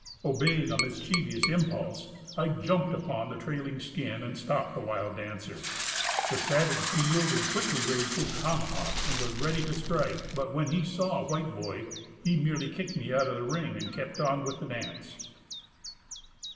Obeying a mischievous impulse, I jumped upon the trailing skin, and stopped the wild dancer. The savage wheeled, quickly raised his tomahawk, and was ready to strike; but when he saw a white boy, he merely kicked me out of the ring, and kept on with the dance.